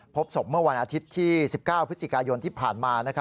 พบศพเมื่อวันอาทิตย์ที่๑๙พฤศจิกายนที่ผ่านมา